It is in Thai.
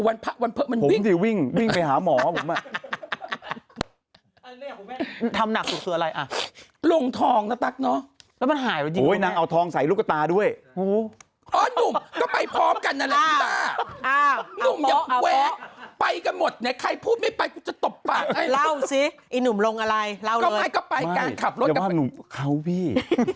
ราวสิอีหนุ่มลงอะไรราวเลยไม่ก็ไปการขับรถดีกว่าหนูเข้าพี่